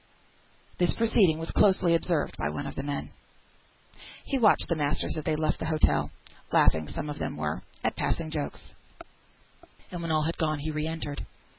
This proceeding was closely observed by one of the men. He watched the masters as they left the hotel (laughing, some of them were, at passing jokes), and when all had gone, he re entered.